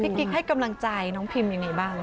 กิ๊กให้กำลังใจน้องพิมยังไงบ้าง